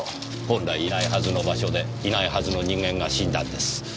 本来いないはずの場所でいないはずの人間が死んだんです。